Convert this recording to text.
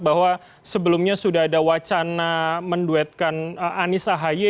bahwa sebelumnya sudah ada wacana menduetkan anies ahy